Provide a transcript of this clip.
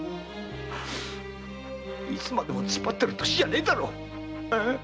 いつまでも突っ張ってる年じゃねぇだろう。